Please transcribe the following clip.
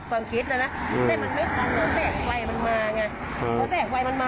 อาจจะเปลี่ยน